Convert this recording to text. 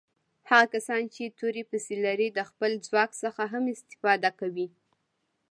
هغه کسان چې تورې پیسي لري د خپل ځواک څخه هم استفاده کوي.